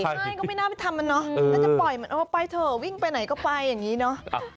ใช่ก็ไม่น่าไปทำมันเนาะถ้าจะปล่อยมันเออไปเถอะวิ่งไปไหนก็ไปอย่างนี้เนอะ